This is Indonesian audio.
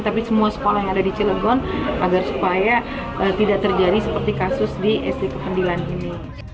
tapi semua sekolah yang ada di cilegon agar supaya tidak terjadi seperti kasus di sd kependilan ini